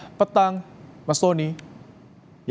selamat petang mas tony